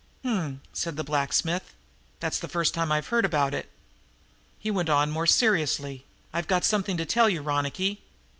"H m," said the blacksmith, "that's the first time I've heard about it." He went on more seriously: "I got something to tell you, Ronicky.